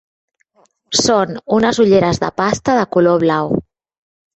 Són unes ulleres de pasta de color blau.